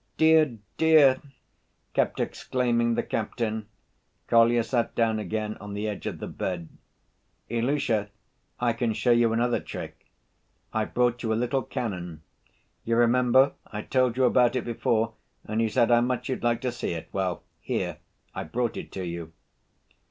"Dear, dear!" kept exclaiming the captain. Kolya sat down again on the edge of the bed. "Ilusha, I can show you another trick. I've brought you a little cannon. You remember, I told you about it before and you said how much you'd like to see it. Well, here, I've brought it to you."